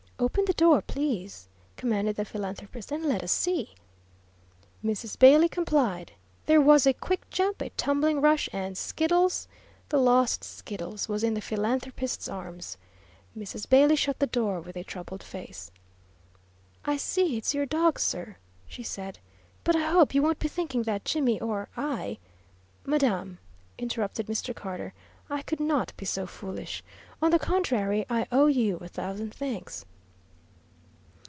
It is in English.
"Open the door, please," commanded the philanthropist, "and let us see." Mrs. Bailey complied. There was a quick jump, a tumbling rush, and Skiddles, the lost Skiddles, was in the philanthropist's arms. Mrs. Bailey shut the door with a troubled face. "I see it's your dog, sir," she said, "but I hope you won't be thinking that Jimmy or I " "Madam," interrupted Mr. Carter, "I could not be so foolish. On the contrary, I owe you a thousand thanks."